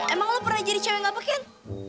emang lo pernah jadi cewek gak pakaian